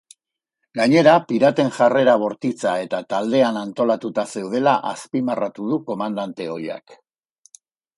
Gainera, piraten jarrera bortitza eta taldean antolatuta zeudela azpimarratu du komandante ohiak.